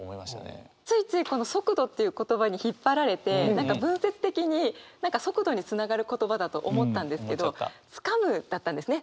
ついついこの「速度」という言葉に引っ張られて何か文節的に「速度」につながる言葉だと思ったんですけど「掴む」だったんですね。